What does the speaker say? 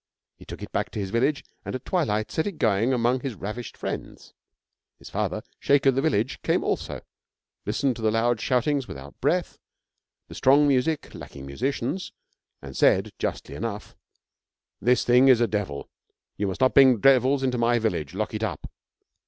He took it back to his village, and at twilight set it going among his ravished friends. His father, sheik of the village, came also, listened to the loud shoutings without breath, the strong music lacking musicians, and said, justly enough: 'This thing is a devil. You must not bring devils into my village. Lock it up.'